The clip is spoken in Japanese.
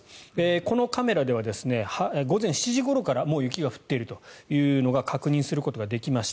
このカメラでは午前７時ごろからもう雪が降っているのを確認することができました。